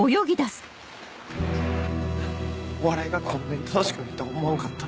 お笑いがこんなに楽しくないとは思わんかった。